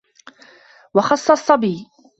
وَخَصَّ الصَّبِيَّ